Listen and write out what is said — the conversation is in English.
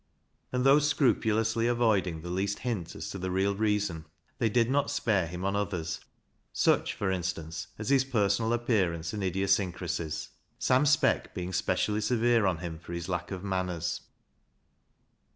And though scrupulously avoiding the least hint as to the real reason, they did not spare him on others, such, for instance, as his personal appearance and idiosyncrasies, Sam Speck being specially severe on him for his lack of manners.